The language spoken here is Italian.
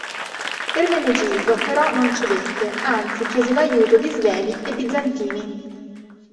Ermenegildo però non cedette, anzi chiese l'aiuto di Svevi e Bizantini.